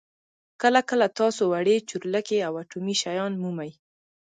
کله کله تاسو وړې چورلکې او اټومي شیان مومئ